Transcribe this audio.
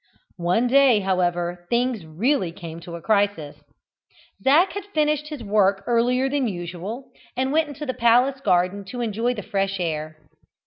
One day, however, things really came to a crisis. Zac had finished his work earlier than usual, and went into the palace garden to enjoy the fresh air.